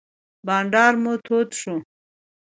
بانډار مو تود شو.